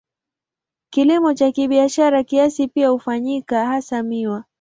Kilimo cha kibiashara kiasi pia hufanyika, hasa miwa.